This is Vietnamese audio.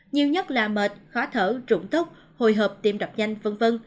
nhiều nhất là mệt khó thở rụng tóc hồi hợp tim đập nhanh v v